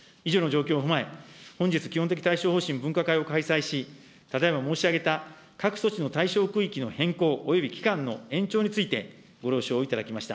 以上の状況を踏まえ、本日、基本的対処方針分科会を開催し、ただいま申し上げた各措置の対象区域の変更および期間の延長についてご了承いただきました。